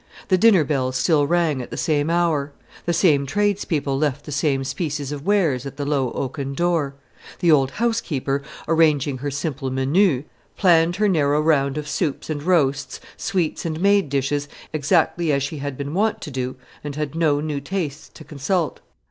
The dinner bell still rang at the same hour; the same tradespeople left the same species of wares at the low oaken door; the old housekeeper, arranging her simple menu, planned her narrow round of soups and roasts, sweets and made dishes, exactly as she had been wont to do, and had no new tastes to consult.